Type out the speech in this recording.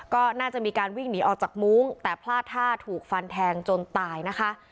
ก็น่าจะมีการวิ่งหนีออกจากมุ้งแต่พลาดท่าถูกฟันแทงจนตายนะคะ